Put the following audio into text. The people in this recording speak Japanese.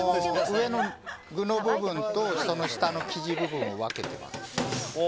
上の具の部分と下の生地部分を分けています。